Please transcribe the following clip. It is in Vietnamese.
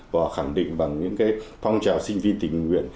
và khẳng định bằng những phong trào sinh viên tình nguyện